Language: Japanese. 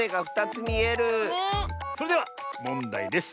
それではもんだいです。